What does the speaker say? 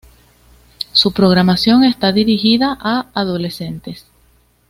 Su programación está dirigida a adolescentes.